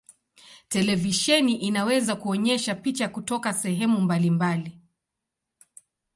Televisheni inaweza kuonyesha picha kutoka sehemu mbalimbali.